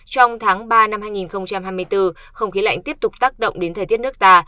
trong tháng ba năm hai nghìn hai mươi bốn không khí lạnh tiếp tục tác động đến thời tiết nước ta